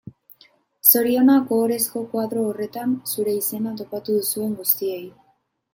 Zorionak ohorezko koadro horretan zure izena topatu duzuen guztiei.